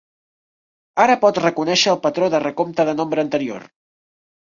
Ara pot reconèixer el patró de recompte de nombre anterior.